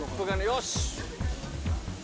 よし。